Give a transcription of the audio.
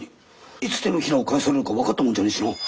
いつ手のひらを返されるか分かったもんじゃねえしなあ。